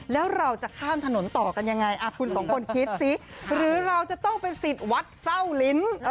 แล้วเราจะข้ามถนนต่อกันยังไงคุณสองคนคิดสิหรือเราจะต้องเป็นสิทธิ์วัดเศร้าลิ้น